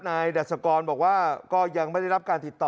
ดัชกรบอกว่าก็ยังไม่ได้รับการติดต่อ